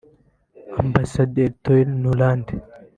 Ambasaderi Toria Nuland